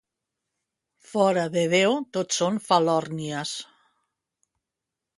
Fora de Déu, tot són falòrnies.